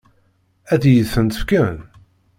Ad iyi-tent-fken?